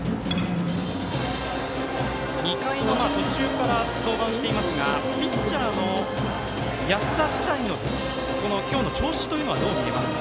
２回の途中から登板していますがピッチャーの安田自体の今日の調子というのはどう見てますか。